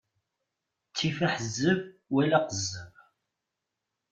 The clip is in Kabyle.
Ttif aḥezzeb wala aqezzeb.